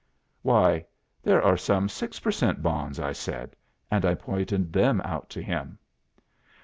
'" "'Why, there are some six per cent bonds!' I said; and I pointed them out to him."